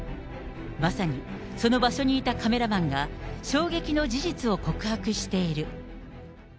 まさにその場所にいたカメラマンが、衝撃の事実を告白している。